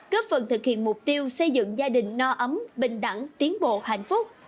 cấp phần thực hiện mục tiêu xây dựng gia đình no ấm bình đẳng tiến bộ hạnh phúc